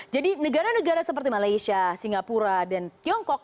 jadi negara negara seperti malaysia singapura dan tiongkok